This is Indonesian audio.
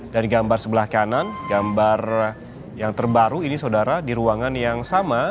dan gambar sebelah kanan gambar yang terbaru ini saudara di ruangan yang sama